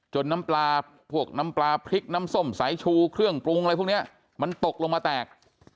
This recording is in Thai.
น้ำปลาพวกน้ำปลาพริกน้ำส้มสายชูเครื่องปรุงอะไรพวกนี้มันตกลงมาแตก